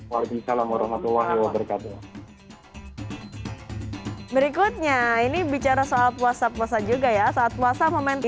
waalaikumsalam warahmatullahi wabarakatuh